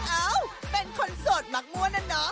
เอ้าเป็นคนโสดหลักมัวนะหนอ